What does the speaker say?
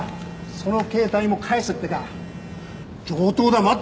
その携帯も返せってか上等だ待っ